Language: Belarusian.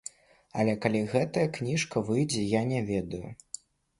Але калі гэтая кніжка выйдзе, я не ведаю.